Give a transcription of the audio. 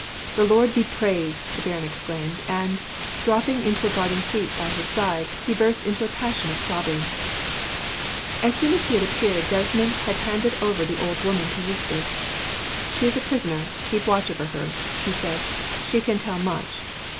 "The Lord be praised!" the baron exclaimed, and, dropping into a garden seat by his side, he burst into a passion of sobbing. As soon as he had appeared, Desmond had handed over the old woman to Eustace. "She is a prisoner keep a watch over her," he said. "She can tell much.